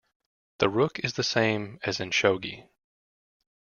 The rook is the same as in shogi.